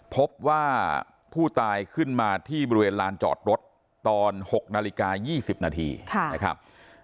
พบว่าผู้ตายขึ้นมาที่บริเวณลานจอดรถตอน๖นาฬิกา๒๐นาทีนะครับ